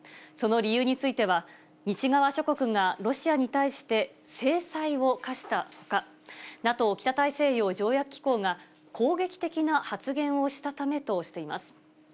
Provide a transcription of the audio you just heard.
その理由については、西側諸国がロシアに対して、制裁を科したほか、ＮＡＴＯ・北大西洋条約機構が攻撃的な発言をしたためとしています。